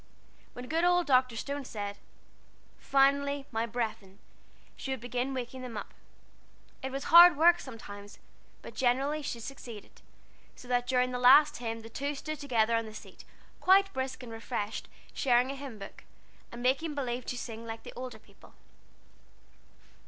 When good old Dr. Stone said, "Finally, my brethren," she would begin waking them up. It was hard work sometimes, but generally she succeeded, so that during the last hymn the two stood together on the seat, quite brisk and refreshed, sharing a hymn book, and making believe to sing like the older people.